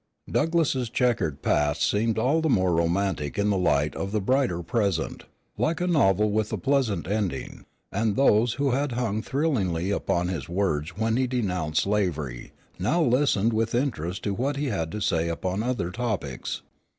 Douglass's checkered past seemed all the more romantic in the light of the brighter present, like a novel with a pleasant ending; and those who had hung thrillingly upon his words when he denounced slavery now listened with interest to what he had to say upon other topics.